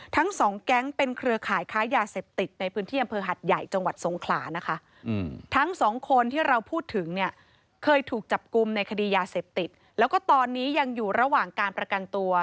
ทั้งสองแก๊งเป็นเครือขายขายยาเสพติดในพื้นที่อำเภอหัดใหญ่จังหวัดทรงขลานะคะ